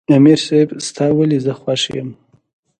" امیر صېب ستا ولې زۀ خوښ یم" ـ